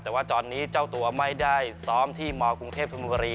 แต่ว่าตอนนี้เจ้าตัวไม่ได้ซ้อมที่มกรุงเทพธนบุรี